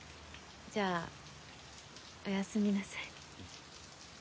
じゃあおやすみなさい。